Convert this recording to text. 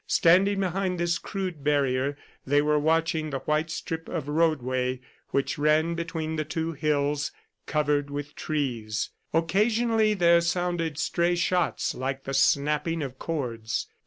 Standing behind this crude barrier, they were watching the white strip of roadway which ran between the two hills covered with trees. Occasionally there sounded stray shots like the snapping of cords.